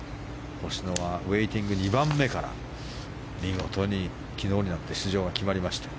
星野はウェイティング２番目から見事に昨日になって出場が決まりました。